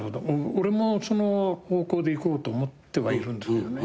俺もその方向でいこうと思ってはいるんですけどね。